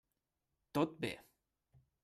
Tot bé.